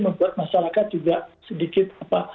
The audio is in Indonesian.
membuat masyarakat juga sedikit apa